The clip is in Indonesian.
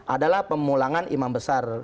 adalah pemulangan imam besar